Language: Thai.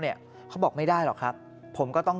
เหตุผลที่เป็นหมอบอกว่าน่าจะเป็นเพราะคุณพักผ่อนน้อย